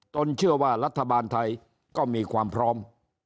เชื่อว่ารัฐบาลไทยก็มีความพร้อม